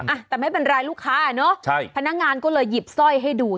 อ่ะแต่ไม่เป็นไรลูกค้าอ่ะเนอะใช่พนักงานก็เลยหยิบสร้อยให้ดู